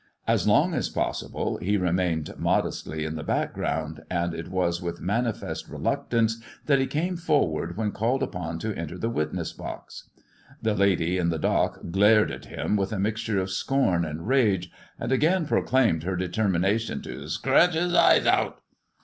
As long as possible he remained modestly in the background, and it was with manifest reluctance that he came forward when called upon fco enter the witness box. The lady in the dock glared at him with a mixture of scorn and rage, and again proclaimed her determination to " scretch 'is eyes out."